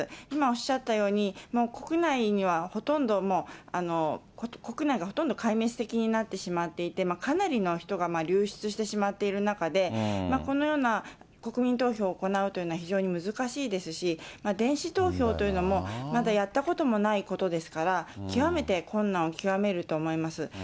今おっしゃったように、国内にはほとんどもう、国内がほとんど壊滅的になってしまっていて、かなりの人が流出してしまっている中で、このような国民投票を行うというのは非常に難しいですし、電子投票というのも、まだやったこともないことですから、極めて困難を極めると思います。